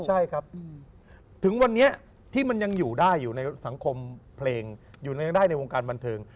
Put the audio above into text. ใช่ครับถึงวันนี้ที่มันยังอยู่ได้อยู่ในสังคมเพลงอยู่ได้ในวงการบันเทิง